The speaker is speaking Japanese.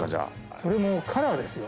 それもカラーですよ。